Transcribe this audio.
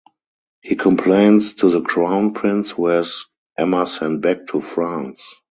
He complains to the Crown Prince who has Emma sent back to France.